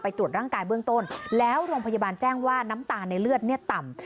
ตรวจร่างกายเบื้องต้นแล้วโรงพยาบาลแจ้งว่าน้ำตาลในเลือดเนี่ยต่ำ